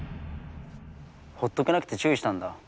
ほっとけなくて注意したんだ。